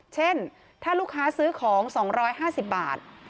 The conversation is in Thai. เช่นถ้าลูกค้าซื้อของ๒๕๐บาท